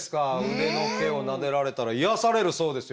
腕の毛をなでられたら癒やされるそうですよ。